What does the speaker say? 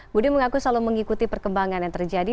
budi mengaku selalu mengikuti perkembangan yang terjadi